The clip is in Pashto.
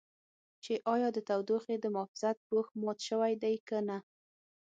چې ایا د تودوخې د محافظت پوښ مات شوی دی که نه.